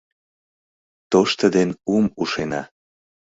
Тошто ден ум ушена.